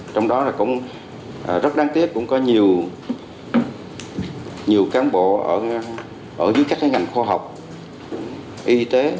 trong đó cũng rất đáng tiếc cũng có nhiều cán bộ ở dưới các ngành khoa học y tế